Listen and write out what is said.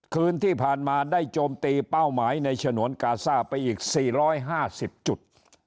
คืนที่ผ่านมาได้โจมตีเป้าหมายในฉนวนกาซ่าไปอีก๔๕๐จุด